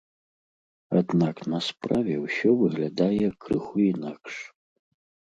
Аднак на справе ўсё выглядае крыху інакш.